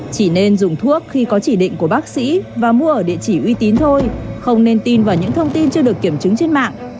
chỉ nên dùng thuốc khi có chỉ định của bác sĩ và mua ở địa chỉ uy tín thôi không nên tin vào những thông tin chưa được kiểm chứng trên mạng